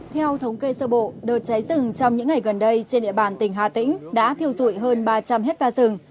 theo thống kê sơ bộ đợt cháy rừng trong những ngày gần đây trên địa bàn tỉnh hà tĩnh đã thiêu dụi hơn ba trăm linh hectare rừng